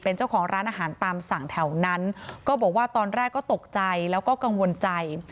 เป็นเจ้าของร้านอาหารตามสั่งแถวนั้นก็บอกว่าตอนแรกก็ตกใจแล้วก็กังวลใจ